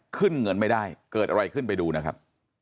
ขึ้นเงินไม่ได้เกิดอะไรขึ้นไปดูนะครับ